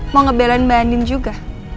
mau ngebelain mbak andim juga